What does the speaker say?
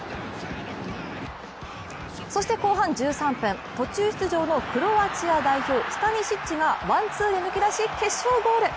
そして後半１３分、途中出場のクロアチア代表、スタニシッチが、ワンツーで抜け出し決勝ゴール。